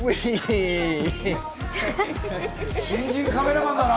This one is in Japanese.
新人カメラマンだな。